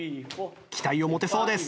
期待を持てそうです！